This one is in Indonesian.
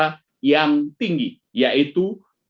per dpk yang tinggi yaitu tiga puluh dua sembilan puluh lima